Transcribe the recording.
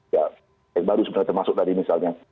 ya baik baru sebenarnya termasuk tadi misalnya